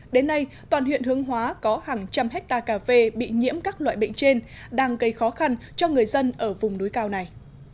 đến nay toàn huyện hướng hóa có hàng trăm hectare cà phê bị nhiễm các loại bệnh trên đang gây khó khăn cho người dân ở vùng núi cao này